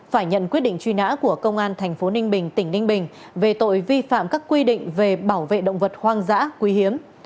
phải nhận quyết định truy nã của công an tp ninh bình tỉnh ninh bình về tội vi phạm các quy định về bảo vệ động vật hoang dã quý hiếm